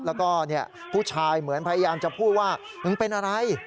แล้วก็ผู้ชายเหมือนพยายามจะพูดว่ามึงเป็นอะไร